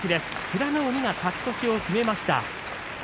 美ノ海、勝ち越しを決めました。